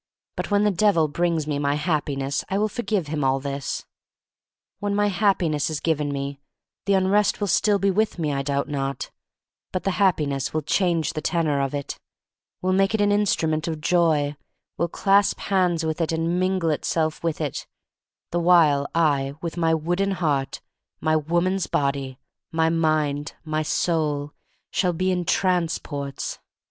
But when the Devil brings me my Happiness I will forgive him all this. When my Happiness is given me, the Unrest will still be with me, I doubt riot, but the Happiness will change the tenor of it, will make it an instrument of joy, will clasp hands with it and min gle itself with it, — the while I, with my wooden heart, my woman's body, my mind, my soul, shall be in transports.